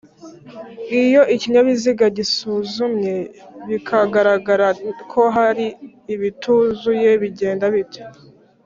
iyo ikinyabiziga gisuzumwe bikagaragara ko hari ibituzuye bigenda bite